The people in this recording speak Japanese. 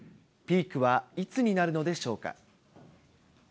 ピークはいつになるのでしょうか。